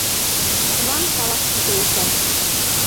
Шунан талаш китә икән.